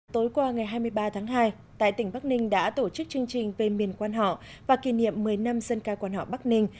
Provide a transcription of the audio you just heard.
tối qua ngày hai mươi ba tháng hai tại tỉnh bắc ninh đã tổ chức chương trình về miền quan họ và kỷ niệm một mươi năm dân ca quan họ bắc ninh